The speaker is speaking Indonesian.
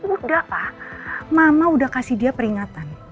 udah ah mama udah kasih dia peringatan